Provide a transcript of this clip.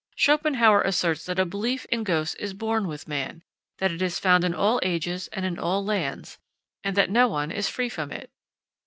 Schopenhauer asserts that a belief in ghosts is born with man, that it is found in all ages and in all lands, and that no one is free from it.